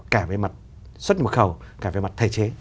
cả về mặt xuất nhập khẩu cả về mặt thể chế